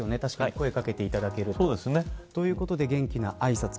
声を掛けていただけると。ということで元気なあいさつ